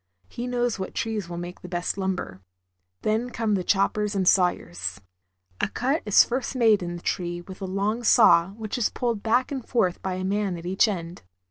He knows what trees will make the best lumber. Then come the choppers A Big Load of Logs. and sawyers. A cut is first made in the tree with a long saw, which is pulled back and forth by a man at each end.